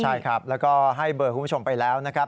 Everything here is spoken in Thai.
ใช่ครับแล้วก็ให้เบอร์คุณผู้ชมไปแล้วนะครับ